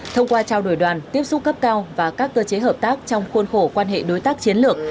thông qua trao đổi đoàn tiếp xúc cấp cao và các cơ chế hợp tác trong khuôn khổ quan hệ đối tác chiến lược